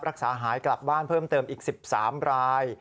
รักษาหายกลับบ้านเพิ่มเติมอีก๑๓ราย